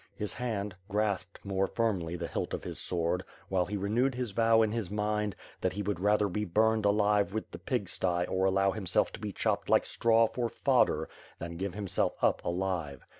His hand grasped more firmly the hilt of his sword, while he renewed his vow in his mind, that he would rather be burned alive with the pigsty or allow himself to be chopped like straw for fodder, than give himself up alive.